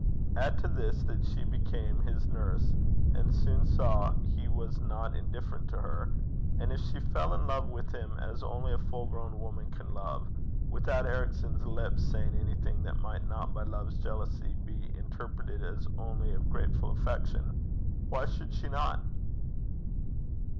Add to this that she became his nurse, and soon saw that he was not indifferent to her and if she fell in love with him as only a full grown woman can love, without Ericson's lips saying anything that might not by Love's jealousy be interpreted as only of grateful affection, why should she not?